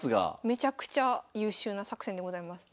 めちゃくちゃ優秀な作戦でございます。